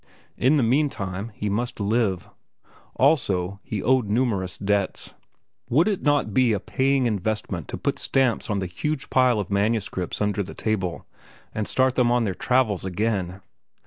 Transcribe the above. In the meantime he must live. Also he owed numerous debts. Would it not be a paying investment to put stamps on the huge pile of manuscripts under the table and start them on their travels again?